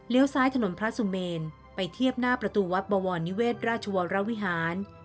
ซ้ายถนนพระสุเมนไปเทียบหน้าประตูวัดบวรนิเวศราชวรวิหาร